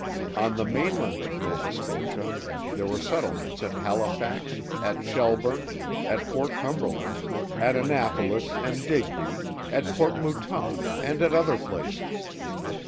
On the mainland of Nova Scotia there were settlements at Halifax, at Shelburne, at Fort Cumberland, at Annapolis and Digby; at Port Mouton, and at other places.